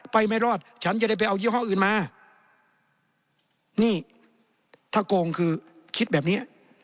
ไม่รอดฉันจะได้ไปเอายี่ห้ออื่นมานี่ถ้าโกงคือคิดแบบเนี้ย